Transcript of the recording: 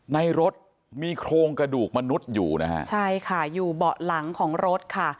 ในรถมีโครงกระดูกมนุษย์อยู่นะฮะใช่ค่ะอยู่เบาะหลังของรถค่ะ